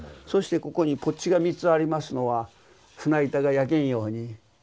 そしてここにぽっちが３つありますのは船板が焼けんように。